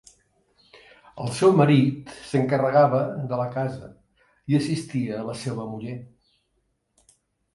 El seu marit s'encarregava de la casa i assistia la seua muller.